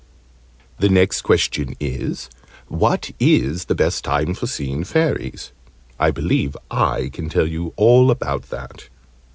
The next question is, what is the best time for seeing Fairies? I believe I can tell you all about that.